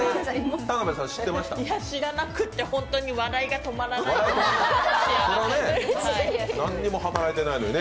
知らなくって本当に笑いが止まらないですよ。